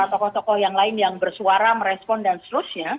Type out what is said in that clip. dan para tokoh tokoh yang lain yang bersuara merespon dan selanjutnya